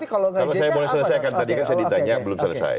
kalau saya boleh selesaikan tadi kan saya ditanya belum selesai